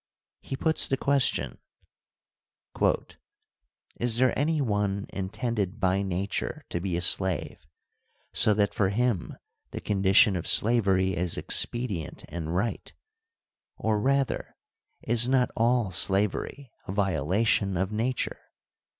He puts the question : Is there any one intended by nature to be a slave, so that for him the condition of slavery is expedient and right ; or, rather, is not all slavery a violation of nature